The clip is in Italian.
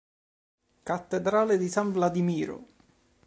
Cattedrale di San Vladimiro